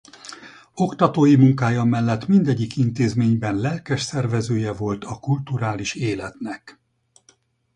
Oktatói munkája mellett mindegyik intézményben lelkes szervezője volt a kulturális életnek.